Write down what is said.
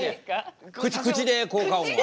口で効果音は。